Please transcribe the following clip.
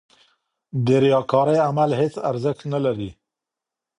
د ریاکارۍ عمل هېڅ ارزښت نه لري.